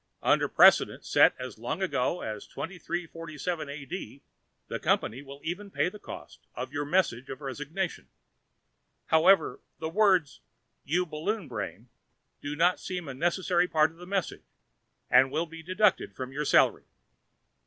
Under precedent set as long ago as 2347 A. D. the company will even pay the cost of your message of resignation. However, the words "you balloon brain" do not seem a necessary part of that message and will be deducted from your salary.